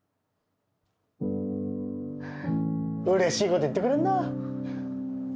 うれしいこと言ってくれるな。